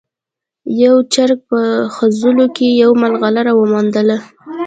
یو چرګ په خځلو کې یوه ملغلره وموندله.